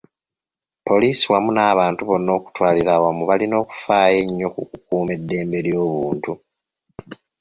Poliisi wamu n’abantu bonna okutwalira awamu balina okufaayo ennyo ku kukuuma eddembe ly’obuntu.